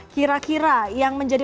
kira kira yang menjadi